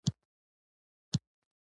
زه یې هیڅکله نه منم !